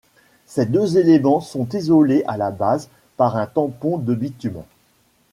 Ces deux éléments sont isolés à la base par un tampon de bitume.